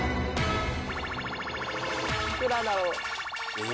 いくらだろう？